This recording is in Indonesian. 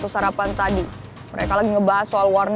kalau mau ngakutin anjlenya bahas f northern